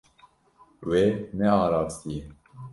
Wê nearastiye.